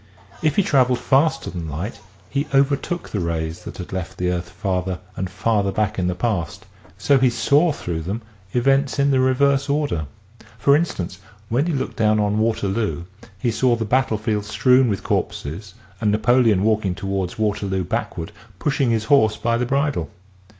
If he traveled faster than light he overtook the rays that had left the earth farther and farther back in the past so he saw through them events in the reverse order. For instance when he looked down on Waterloo he saw the battle field strewn with corpses and Napoleon walking toward Waterloo backward pushing his horse by the bridle.